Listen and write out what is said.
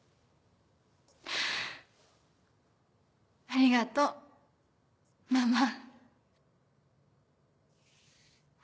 ありがとうママ。